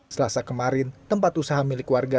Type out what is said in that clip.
selasa kemarin tempat usaha milik warga